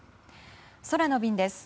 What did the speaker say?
空の便です。